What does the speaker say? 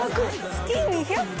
月２００件？